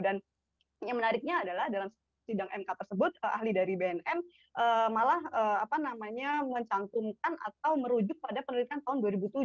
dan yang menariknya adalah dalam sidang mk tersebut ahli dari bnm malah mencangkumkan atau merujuk pada penelitian tahun dua ribu tujuh